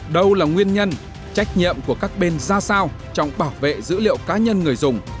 đâu là nguyên nhân trách nhiệm của các bên ra sao trong bảo vệ dữ liệu cá nhân người dùng